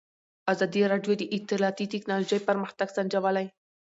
ازادي راډیو د اطلاعاتی تکنالوژي پرمختګ سنجولی.